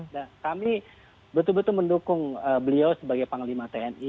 nah kami betul betul mendukung beliau sebagai panglima tni